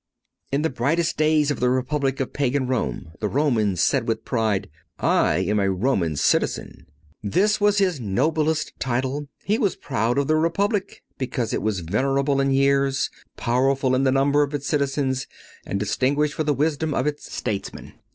In the brightest days of the Republic of Pagan Rome the Roman said with pride: "I am a Roman citizen." This was his noblest title. He was proud of the Republic, because it was venerable in years, powerful in the number of its citizens, and distinguished for the wisdom of its statesmen.